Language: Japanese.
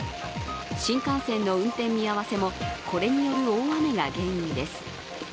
新幹線の運転見合わせもこれによる大雨が原因です。